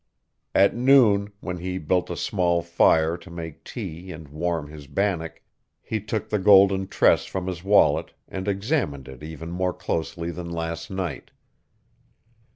At noon, when he built a small fire to make tea and warm his bannock, he took the golden tress from his wallet and examined it even more closely than last night.